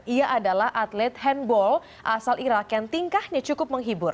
ia adalah atlet handball asal irak yang tingkahnya cukup menghibur